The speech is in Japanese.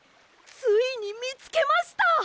ついにみつけました。